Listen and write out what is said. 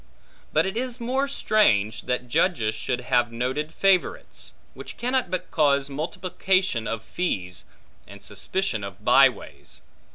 But it is more strange, that judges should have noted favorites; which cannot but cause multiplication of fees, and suspicion of by ways.